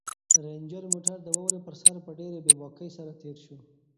رنجر موټر د واورې پر سر په ډېرې بې باکۍ سره تېر شو.